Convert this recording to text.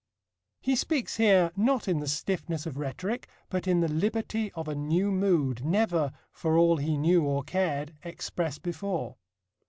He speaks here, not in the stiffness of rhetoric, but in the liberty of a new mood, never, for all he knew or cared, expressed before.